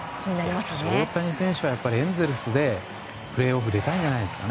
しかし、大谷選手はエンゼルスでプレーオフ出たいんじゃないんですか。